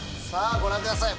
ご覧ください